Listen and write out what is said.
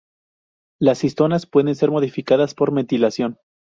Las histonas pueden ser modificadas por metilación.